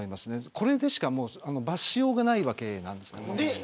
これでしか罰しようがないわけです。